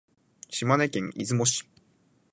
島根県出雲市